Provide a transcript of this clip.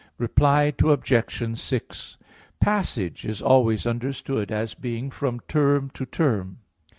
Reply Obj. 6: Passage is always understood as being from term to term.